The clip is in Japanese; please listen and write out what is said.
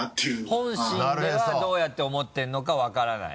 本心ではどうやって思ってるのか分からない？